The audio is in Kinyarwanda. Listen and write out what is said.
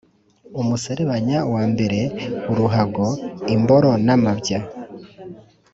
Umuserebanya wambaye uruhago.-Imboro n'amabya.